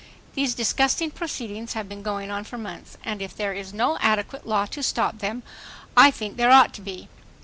.. These disgusting proceedings have been going on for months, and if there is no adequate law to stop them, I think there ought to be.